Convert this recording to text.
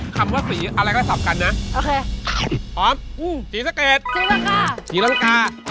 คำว่าสีอะไรก็ต่ำกันนะพร้อมสีสะเก็ดสีรักษณ์กาสีรักษณ์กา